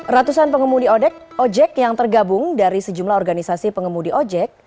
ratusan pengemudi ojek ojek yang tergabung dari sejumlah organisasi pengemudi ojek